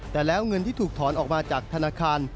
แต่แล้วเงินที่ถูกถอนออกมาจากธนาคาร